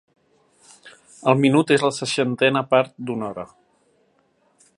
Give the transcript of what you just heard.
El minut és la seixantena part d'una hora.